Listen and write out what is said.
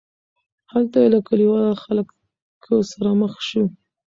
هلته یې له کلیوالو خلکو سره مخ شو.